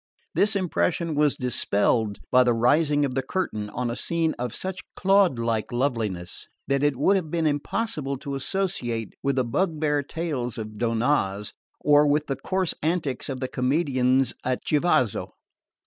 This impression was dispelled by the rising of the curtain on a scene of such Claude like loveliness as it would have been impossible to associate with the bug bear tales of Donnaz or with the coarse antics of the comedians at Chivasso.